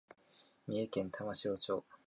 三重県玉城町